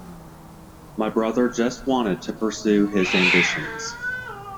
My brother just wanted to pursue his ambitions.